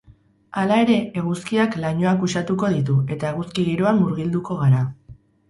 Hala ere, eguzkiak lainoak uxatuko ditu eta eguzki giroan murgilduko gara.